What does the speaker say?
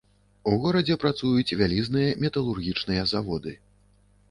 У горадзе працуюць вялізныя металургічныя заводы.